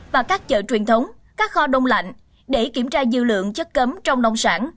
và các chợ truyền thống các kho đông lạnh để kiểm tra dư lượng chất cấm trong nông sản